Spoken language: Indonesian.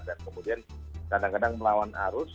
dan kemudian kadang kadang melawan arus